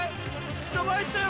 突き飛ばしたよ